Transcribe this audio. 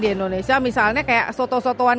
di indonesia misalnya kayak soto sotowan